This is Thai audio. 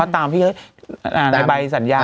ตามที่ในใบสัญญา